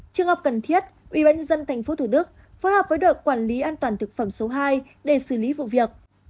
trường hợp cần thiết ubnd tp thủ đức phối hợp với đội quản lý an toàn thực phẩm số hai để xử lý vụ việc